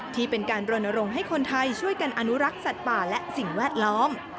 ที่เป็นการรณรงค์ให้คนไทยช่วยกันอนุรักษ์สัตว์ป่าและสิ่งแวดล้อม